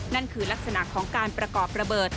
นั่นคือลักษณะของการประกอบระเบิด